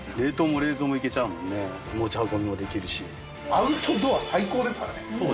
アウトドア最高ですからね。